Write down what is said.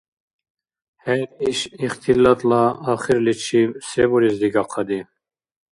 ХӀед иш ихтилатла ахирличиб се бурес дигахъади?